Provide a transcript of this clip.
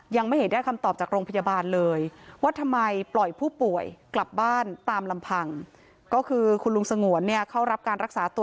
ว่าทำไมปล่อยผู้ป่วยกลับบ้านตามลำพังก็คือคุณลุงสงวนเนี้ยเขารับการรักษาตัว